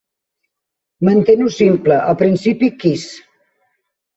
Mantén-ho simple (el principi KISS).